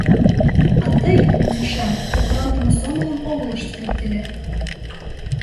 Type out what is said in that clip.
А тый, Митюшем, кокыралтыме сомылым огыл ыштынет ыле...